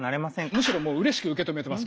むしろうれしく受け止めてます。